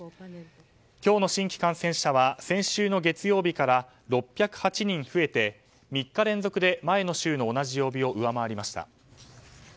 今日の新規感染者は先週の月曜日から６０８人増えて３日連続で前の週の同じ曜日を上回りました。